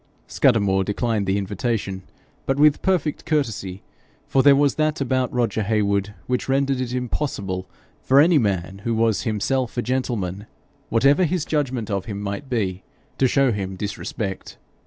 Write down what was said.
Scudamore declined the invitation, but with perfect courtesy, for there was that about Roger Heywood which rendered it impossible for any man who was himself a gentleman, whatever his judgment of him might be, to show him disrespect.